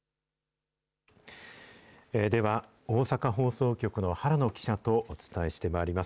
では、大阪放送局の原野記者とお伝えしてまいります。